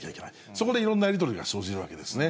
そこでいろんなやり取りが生じるわけですね。